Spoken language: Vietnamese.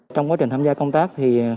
trong quá trình tham gia công tác